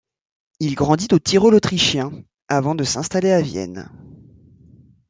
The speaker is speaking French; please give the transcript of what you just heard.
Il grandit au Tyrol autrichien, avant de s'installer à Vienne.